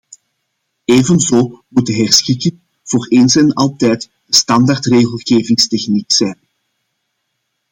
Evenzo moet de herschikking, voor eens en altijd de standaard regelgevingstechniek zijn.